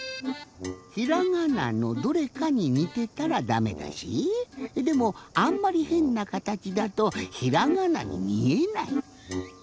ひらがなのどれかににてたらダメだしでもあんまりヘンなかたちだとひらがなにみえない。